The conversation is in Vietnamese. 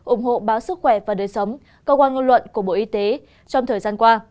ủng hộ báo sức khỏe và đời sống cơ quan ngôn luận của bộ y tế trong thời gian qua